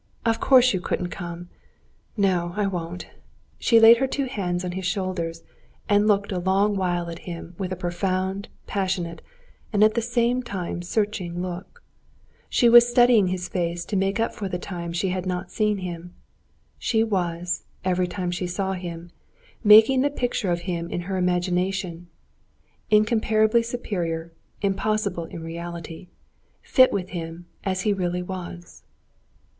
Of course you couldn't come. No, I won't." She laid her two hands on his shoulders, and looked a long while at him with a profound, passionate, and at the same time searching look. She was studying his face to make up for the time she had not seen him. She was, every time she saw him, making the picture of him in her imagination (incomparably superior, impossible in reality) fit with him as he really was.